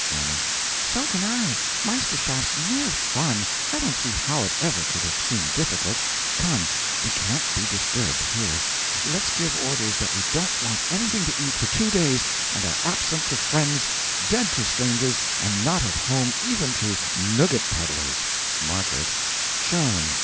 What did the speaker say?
A. So can I. Meisterschaft's mere fun I don't see how it ever could have seemed difficult. Come! We can't be disturbed here; let's give orders that we don't want anything to eat for two days; and are absent to friends, dead to strangers, and not at home even to nougat peddlers M. Schon!